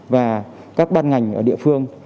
và các ban ngành ở địa phương